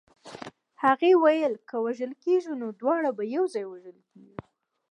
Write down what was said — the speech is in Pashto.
هغې ویل که وژل کېږو نو دواړه به یو ځای وژل کېږو